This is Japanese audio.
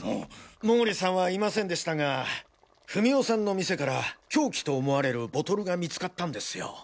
毛利さんはいませんでしたが史緒さんの店から凶器と思われるボトルが見つかったんですよ。